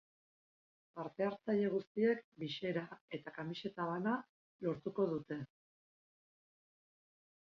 Parte-hartzaile guztiek bisera eta kamiseta bana lortuko dute.